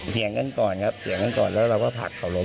เถียงกันก่อนครับเถียงกันก่อนแล้วเราก็ผลักเขาล้ม